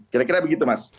kira kira begitu mas